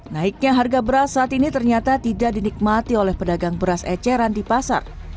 naiknya harga beras saat ini ternyata tidak dinikmati oleh pedagang beras eceran di pasar